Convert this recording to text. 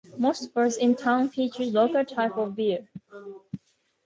Most bars in town feature local type of beer.